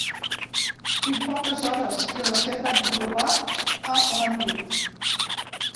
Tinc poques hores i les he de robar a la nit.